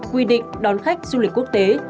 quy định đón khách du lịch quốc tế